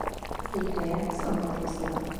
Székhelye San Pedro Sula.